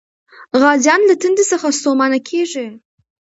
غازيان له تندې څخه ستومانه کېږي.